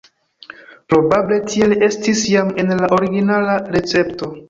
Probable tiel estis jam en la originala recepto.